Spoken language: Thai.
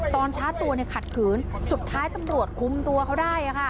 ช้าตัวขัดขืนสุดท้ายตำรวจคุมตัวเขาได้